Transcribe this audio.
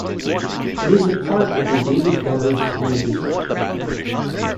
It is a part of the David Douglas School District.